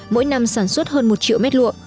mỗi năm sản xuất hơn một triệu mét lụa